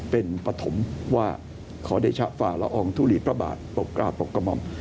เป็นปฐมว่าขอเดชะฝ่าละอองทุลีพระบาทปกกราบปกกระหม่อม